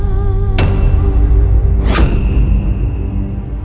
dia mendukung kezaliman surauk sessa